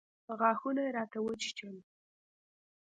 غاښونه يې راته وچيچل.